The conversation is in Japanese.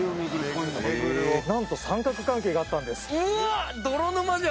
なんと三角関係があったんです